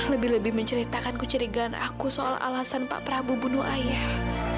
lebih lebih menceritakan kecurigaan aku soal alasan pak prabu bunuh ayah